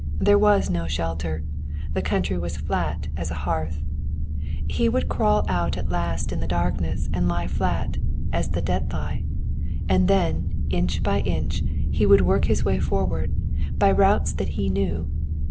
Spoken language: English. There was no shelter. The country was flat as a hearth. He would crawl out at last in the darkness and lie flat, as the dead lie. And then, inch by inch, he would work his way forward, by routes that he knew.